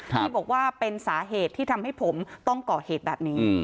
ที่บอกว่าเป็นสาเหตุที่ทำให้ผมต้องก่อเหตุแบบนี้